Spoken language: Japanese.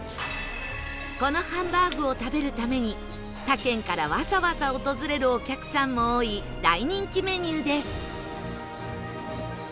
このハンバーグを食べるために他県からわざわざ訪れるお客さんも多い大人気メニューです